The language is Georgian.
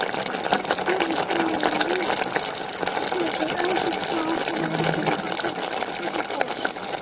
მან მნიშვნელოვანი წვლილი შეიტანა შუასაუკუნეების საქართველოს არქიტექტურის შესწავლაში.